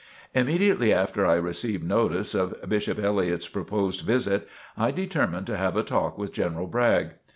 Immediately after I received notice of Bishop Elliott's proposed visit, I determined to have a talk with General Bragg.